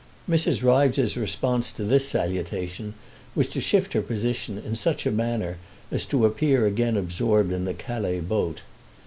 Mrs. Ryves's response to this salutation was to shift her position in such a manner as to appear again absorbed in the Calais boat.